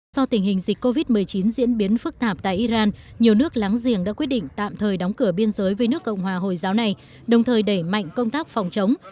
do tình hình dịch covid một mươi chín diễn biến phức tạp tại iran nhiều nước láng giềng đã quyết định tạm thời đóng cửa biên giới với nước cộng hòa hồi giáo này đồng thời đẩy mạnh công tác phòng chống